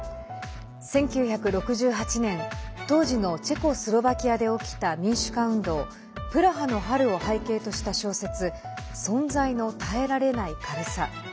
１９６８年当時のチェコスロバキアで起きた民主化運動、プラハの春を背景とした小説「存在の耐えられない軽さ」。